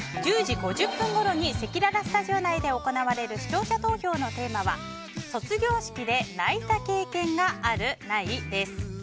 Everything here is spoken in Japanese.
１０時５０分ごろにせきららスタジオ内で行われる視聴者投票のテーマは卒業式で泣いた経験がある・ないです。